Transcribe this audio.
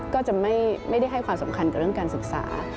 ก็จะไม่ได้ให้ความสำคัญกับเรื่องการศึกษา